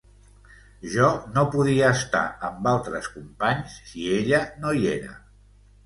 Jo no podia estar amb altres companys si ella no hi era.